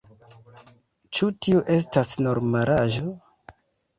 Ĉu tiu estas normalaĵo?